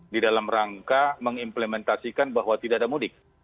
di dalam rangka mengimplementasikan bahwa tidak ada mudik